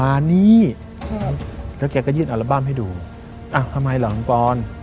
มานี่อืมแล้วแกก็ยืดอัลบั้มให้ดูอ่ะทำไมเหรอลุงปอน